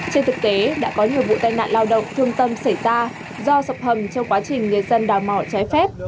trên thực tế đã có nhiều vụ tai nạn lao động thương tâm xảy ra do sập hầm trong quá trình người dân đào mỏ trái phép